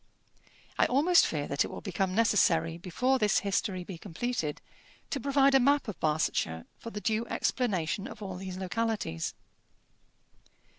I almost fear that it will become necessary, before this history be completed, to provide a map of Barsetshire for the due explanation of all these localities.